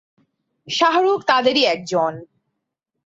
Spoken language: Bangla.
শাহরুখ তাদেরই একজন।